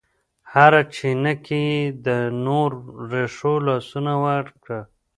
هره چینه کې یې د نور رېښو لاسونه وکړه